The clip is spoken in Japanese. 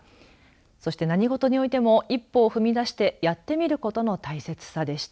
そして、何事においても一歩を踏み出してやってみることの大切さでした。